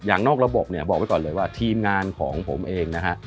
นอกระบบเนี่ยบอกไว้ก่อนเลยว่าทีมงานของผมเองนะฮะ